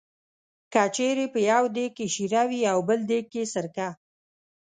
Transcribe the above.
که چېرې په یو دېګ کې شېره وي او بل دېګ کې سرکه.